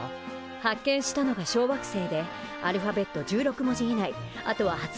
発見したのが小惑星でアルファベット１６文字以内あとは発音できるものならね